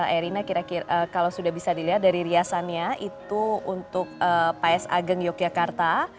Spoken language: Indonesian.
erina kira kira kalau sudah bisa dilihat dari riasannya itu untuk paes ageng yogyakarta